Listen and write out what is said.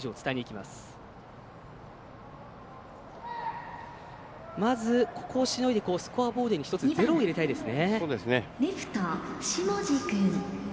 まずここをしのいでスコアボードに０を入れたいですね。